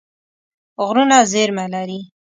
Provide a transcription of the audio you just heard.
غرونه زیرمه لري.